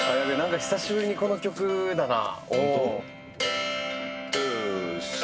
久しぶりにこの曲だな。